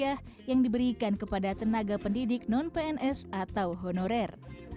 dan juga diberikan kepada tenaga pendidik non pns atau honorer